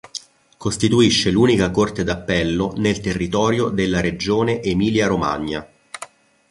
Costituisce l'unica Corte d'appello nel territorio della regione Emilia-Romagna.